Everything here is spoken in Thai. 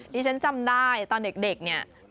ที่ฉันจำได้ตอนเด็กเนี่ย